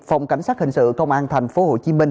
phòng cảnh sát hình sự công an tp hcm